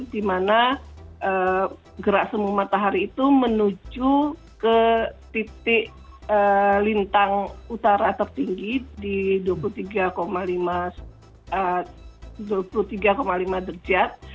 di mana gerak semu matahari itu menuju ke titik lintang utara tertinggi di dua puluh tiga lima derjat